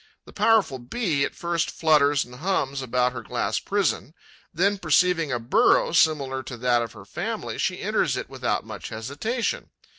The powerful Bee at first flutters and hums about her glass prison; then, perceiving a burrow similar to that of her family, she enters it without much hesitation.